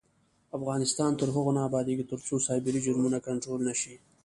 افغانستان تر هغو نه ابادیږي، ترڅو سایبري جرمونه کنټرول نشي.